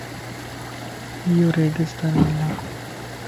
ايو ريگستاني علاقو وَ